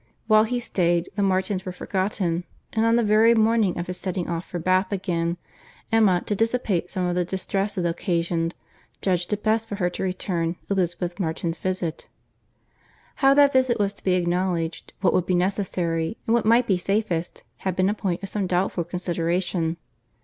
While he staid, the Martins were forgotten; and on the very morning of his setting off for Bath again, Emma, to dissipate some of the distress it occasioned, judged it best for her to return Elizabeth Martin's visit. How that visit was to be acknowledged—what would be necessary—and what might be safest, had been a point of some doubtful consideration.